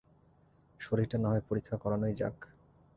শরীরটা নাহয় পরীক্ষা করানোই যাক।